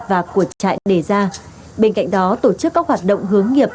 và của trại đề ra bên cạnh đó tổ chức các hoạt động hướng nghiệp